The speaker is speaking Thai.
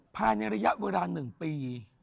ภายในระยะเวลา๑ปี